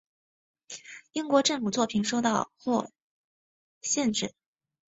英国政府作品受到或限制。